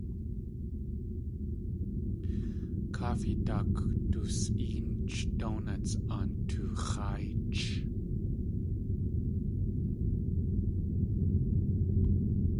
Coffee daak dus.éench donuts aan toox̲áaych.